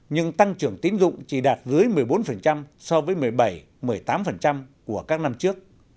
nhưng tăng trưởng tín dụng chỉ đạt dưới một mươi bốn so với một mươi bảy một mươi tám của các năm trước